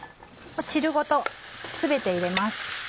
汁ごと全て入れます。